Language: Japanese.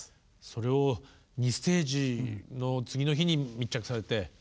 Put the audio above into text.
それを２ステージの次の日に密着されて。